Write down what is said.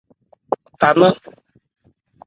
Ɛ tha nnán.